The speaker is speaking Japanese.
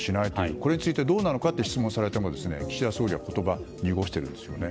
これについてどうなのかという質問をされても岸田総理は言葉を濁しているんですね。